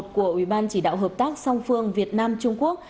của ủy ban chỉ đạo hợp tác song phương việt nam trung quốc